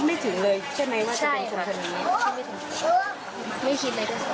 ข้าสุดอีกหนึ่งก็จะให้ขอข้ามาสิ